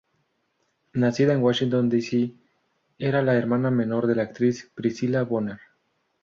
Nacida en Washington D. C. era la hermana menor de la actriz Priscilla Bonner.